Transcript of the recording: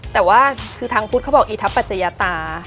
แต่ว่าคือทางพุทธเขาบอกอีทัพปัจจัยตา